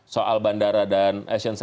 soal bandara dan asian sentinel itu ya